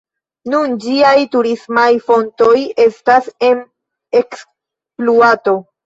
Nun ĝiaj turismaj fontoj estas en ekspluato.